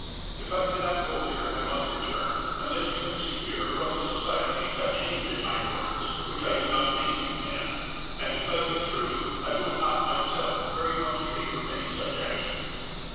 If I cannot go there, I must return, unless you can secure from the So ciety a change in my orders, which I do not think you can. And, to tell you the truth, I would not myself very much favour any such action."